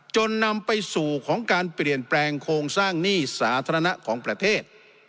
จนนำไปสู่ของการเปลี่ยนแปลงโครงสร้างหนี้สาธารณะของประเทศ